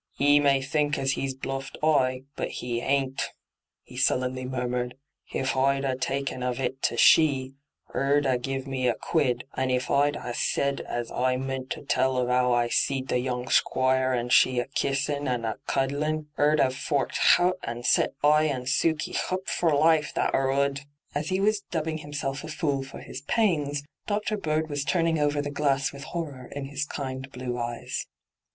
' 'E may think as Vs bluffed oi, but *e hain't,' he sullenly murmured. ' If oi'd a taken of it to she, her'd 'ave giv me a quid ; an' if oi'd ha' sed as oi meant to tell of 'ow I seed the young Squoire and she a kisain' an' a cud dlin', her'd 'ave forked hout and set oi and Sukey hup for life, that her 'oud I' As he was dubbing himself a fool for his pains Dr. Bird was turning over the glass with horror in his kind blue eyes.